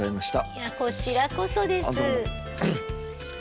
いやこちらこそです。